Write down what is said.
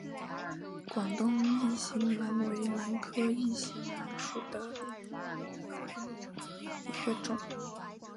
广东异型兰为兰科异型兰属下的一个种。